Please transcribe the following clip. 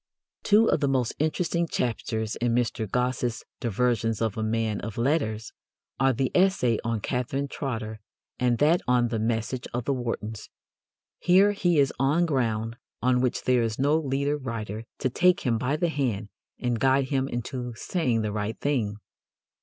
Two of the most interesting chapters in Mr. Gosse's Diversions of a Man of Letters are the essay on Catherine Trotter and that on "the message of the Wartons." Here he is on ground on which there is no leader writer to take him by the hand and guide him into saying "the right thing."